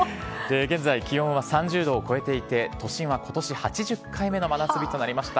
現在、気温は３０度を超えていて、都心はことし８０回目の真夏日となりました。